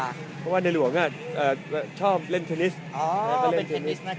เพราะว่าในหลวงชอบเล่นเทนนิส